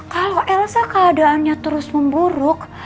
kalau elsa keadaannya terus memburuk